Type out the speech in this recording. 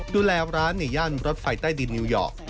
ดูแลร้านในย่านรถไฟใต้ดินนิวยอร์ก